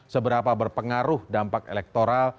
seberapa berpengaruh dampak elektoral